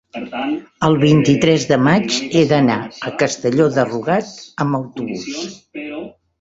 El vint-i-tres de maig he d'anar a Castelló de Rugat amb autobús.